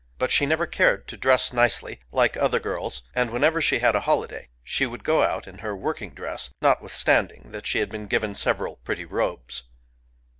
But she never cared to dress nicely, like other girls; and whenever she had a holiday she would go out in her working dress, notwithstand ing that she had been given several pretty robes.